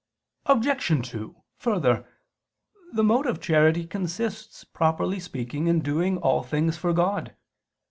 Obj. 2: Further, the mode of charity consists properly speaking in doing all things for God.